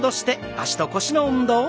脚と腰の運動です。